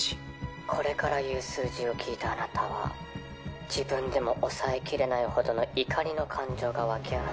これから言う数字を聞いたあなたは自分でも抑えきれないほどの怒りの感情が沸き上がってきます。